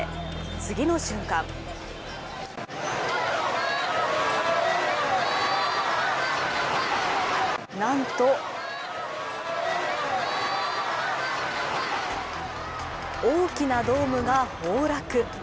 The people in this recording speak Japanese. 次の瞬間なんと、大きなドームが崩落。